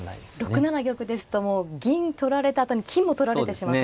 ６七玉ですともう銀取られたあとに金も取られてしまう。